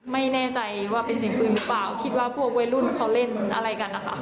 ไม่แน่ใจว่าเป็นเสียงปืนหรือเปล่าคิดว่าพวกวัยรุ่นเขาเล่นอะไรกันนะคะ